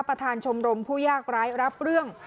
ประธานชมรมผู้ยากร้ายรับเรื่อง